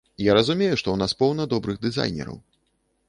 Я разумею, што ў нас поўна добрых дызайнераў.